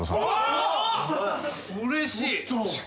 うれしい。